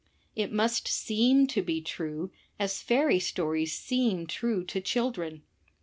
It must seem to be true as fairy stories seem true to children.